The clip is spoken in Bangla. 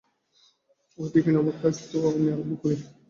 ওহে বিপিন, আমার কাজ তো আমি আরম্ভও করি নি।